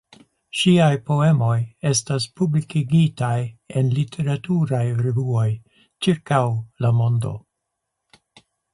Ŝiaj poemoj estas publikigitaj en literaturaj revuoj ĉirkaŭ la mondo.